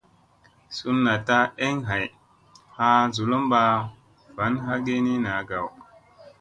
Sun naɗta eŋ hay haa zolomɓa van hagi ni naa gaw.